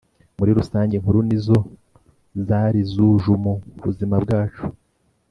Muri rusange inkuru nizo zari zujumu buzima bwacu